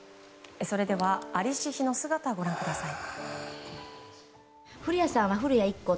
それでは、ありし日の姿をご覧ください。